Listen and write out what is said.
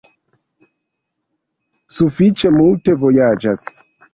Sufiĉe multe vojaĝas.